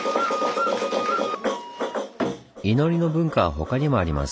祈りの文化は他にもあります。